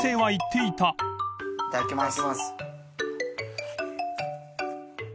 いただきます。